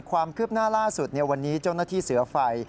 ความคืบหน้าล่าสุดวันนี้เจ้าหน้าที่เสือไฟ